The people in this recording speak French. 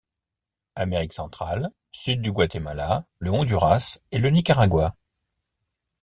Amérique centrale: sud du Guatemala, le Honduras et le Nicaragua.